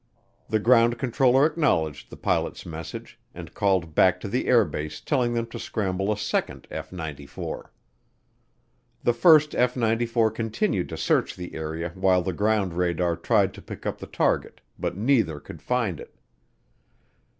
The ground controller acknowledged the pilot's message, and called back to the air base telling them to scramble a second F 94. The first F 94 continued to search the area while the ground radar tried to pick up the target but neither could find it.